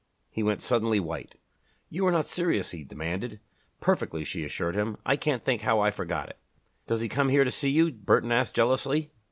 He went suddenly white. "You are not serious?" he demanded. "Perfectly," she assured him. "I can't think how I forgot it." "Does he come here to see you?" Burton asked, jealously.